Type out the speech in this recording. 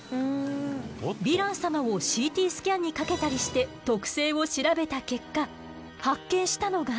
ヴィラン様をＣＴスキャンにかけたりして特性を調べた結果発見したのが。